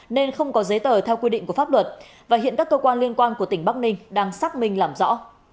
nên không có giấy tờ theo quy định của pháp luật và hiện các cơ quan liên quan của tỉnh bắc ninh đang xác minh làm rõ